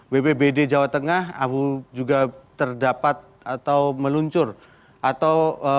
bbbd jawa tengah abu juga terdapat atau meluncur atau